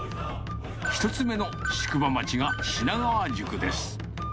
１つ目の宿場町が品川宿です。